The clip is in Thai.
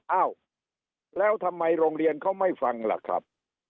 อ้าวแล้วทำไมโรงเรียนเขาไม่ฟังล่ะครับ